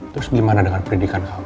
terus gimana dengan pendidikan kamu